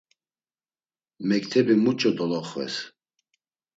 Mektebi muç̌o doloxves?